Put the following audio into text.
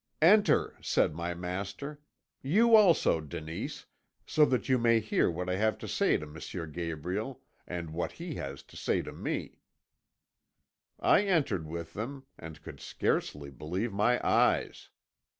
"'Enter,' said my master; 'you also, Denise, so that you may hear what I have to say to M. Gabriel, and what he has to say to me.' "I entered with them, and could scarcely believe my eyes.